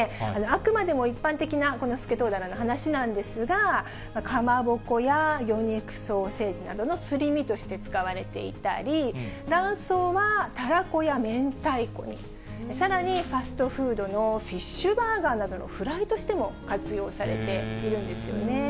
あくまでも一般的なこのスケトウダラの話なんですが、かまぼこや魚肉ソーセージなどのすり身として使われていたり、卵巣はたらこや明太子に、さらにファストフードのフィッシュバーガーなどのフライとしても活用されているんですよね。